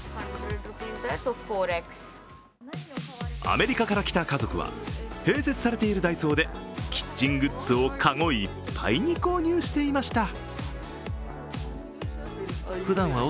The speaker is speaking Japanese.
アメリカから来た家族は、併設されているダイソーでキッチングッズを籠いっぱいに購入していました。